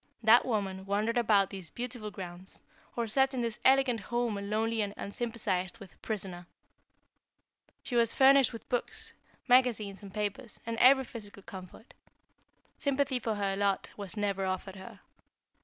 That woman wandered about these beautiful grounds, or sat in this elegant home a lonely and unsympathized with prisoner. She was furnished with books, magazines and papers, and every physical comfort. Sympathy for her lot was never offered her.